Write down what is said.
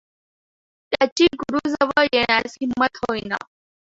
त्याची गुरूजवळ येण्यास हिंमत होईना.